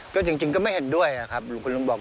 ก็จริงก็ไม่เห็นด้วยครับลุงคุณลุงบอก